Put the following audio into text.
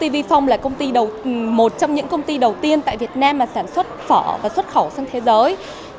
vifong là một trong những công ty đầu tiên tại việt nam sản xuất phở và xuất khẩu sang thế giới